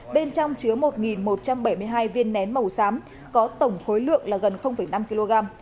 bên trong chứa một một trăm bảy mươi hai viên nén màu xám có tổng khối lượng là gần năm kg